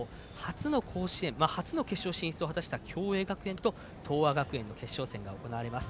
初の甲子園初の決勝進出を果たした共栄学園と東亜学園の決勝戦が行われます。